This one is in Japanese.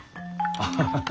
アハハハ。